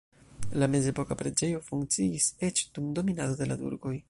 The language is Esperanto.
La mezepoka preĝejo funkciis eĉ dum dominado de la turkoj.